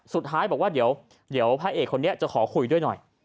สุดท้ายบอกว่าเดี๋ยวพระเอกคนนี้จะขอคุยด้วยหน่อย